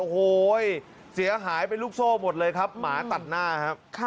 โอ้โหเสียหายเป็นลูกโซ่หมดเลยครับหมาตัดหน้าครับ